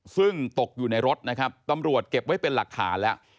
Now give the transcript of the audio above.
ซึ่งตกอยู่ในรถนะครับตำรวจเก็บไว้เป็นหลักฐานแล้ว